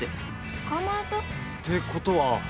捕まえた？ってことは。